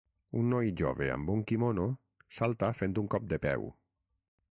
Un noi jove amb un quimono salta fent un cop de peu.